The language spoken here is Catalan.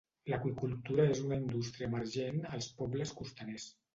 L'aqüicultura és una indústria emergent als pobles costaners.